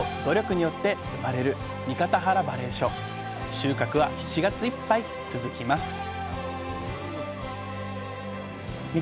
収穫は７月いっぱい続きますいや